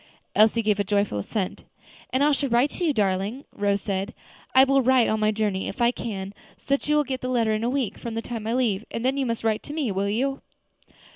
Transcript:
Elsie gave a joyful assent. "And I shall write to you, darling," Rose said; "I will write on my journey, if I can, so that you will get the letter in a week from the time I leave; and then you must write to me; will you?"